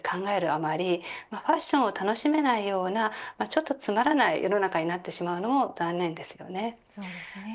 あまりファッションを楽しめないようなつまらない世の中になってしまうのも残念ですね。